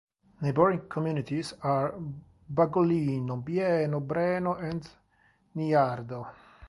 Neighbouring communes are Bagolino, Bienno, Breno and Niardo.